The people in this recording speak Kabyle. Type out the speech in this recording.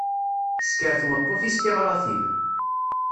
Tesker tmeṭṭut-is tiɣratin.